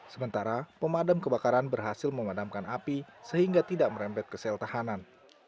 sementara pemadam kebakaran berhasil memadamkan api sehingga tidak merembet ke sel tahanan